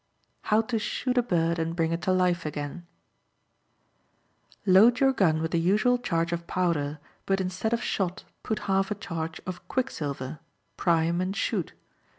How to Shoot a Bird and Bring It to Life Again.—Load your gun with the usual charge of powder, but instead of shot put half a charge of quicksilver; prime and shoot.